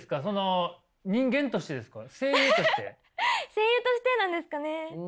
声優としてなんですかね。